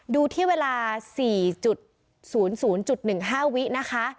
ดูที่เวลา๔๐๐๑๕วินะคะ